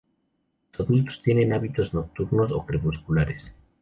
Los adultos tienen hábitos nocturnos o crepusculares.